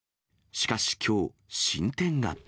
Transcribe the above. しかし、きょう進展が。